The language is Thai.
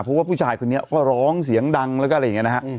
เพราะว่าผู้ชายคนนี้ก็ร้องเสียงดังแล้วก็อะไรอย่างนี้นะฮะ